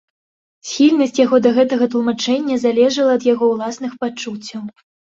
Схільнасць яго да гэтага тлумачэння залежала ад яго ўласных пачуццяў.